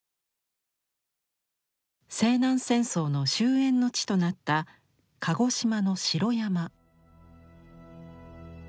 西南戦争の終焉の地となった鹿児島の城山。